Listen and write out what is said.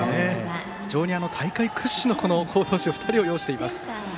非常に大会屈指の好投手２人を擁しています。